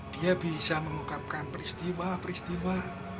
dia bisa mengungkapkan peristiwa peristiwa